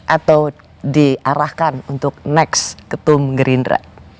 atau diarahkan untuk next ketum gerindra